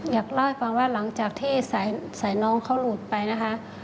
อยากเล่าให้ฟังว่าหลังจากที่สายน้องเขาหลุดไปนะคะ